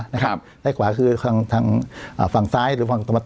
ซ้ายขวาคือทางฟังซ้ายหรือฟังตะไม่ออกมา